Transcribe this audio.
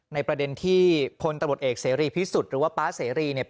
ในประเด็นที่พลตำรวจเอกเสรีพิสุทธิ์หรือว่าป๊าเสรีเนี่ย